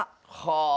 はあ！